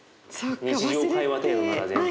日常会話程度なら全然。